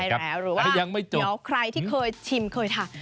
ใช่แล้วหรือว่าใครที่เคยชิมเคยทัก